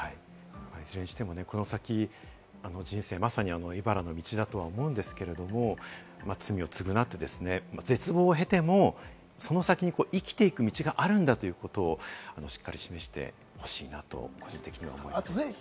いずれにしても、この先、人生まさに茨の道だと思うんですけれども、罪を償ってですね、絶望を経てもその先に生きていく道があるんだということをしっかり示してほしいなと思います。